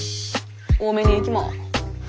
多めに行きます。